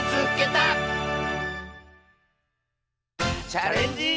「チャレンジ」。